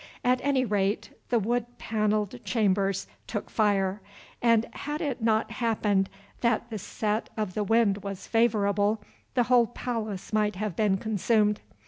At any rate, the wood panelled chambers took fire, and had it not happened that the set of the wind was favourable, the whole palace might have been consumed.